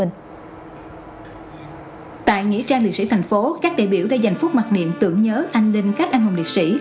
tại nghĩa trang liệt sĩ thành phố các đại biểu đã dành phút mặc niệm tưởng nhớ anh linh các anh hùng liệt sĩ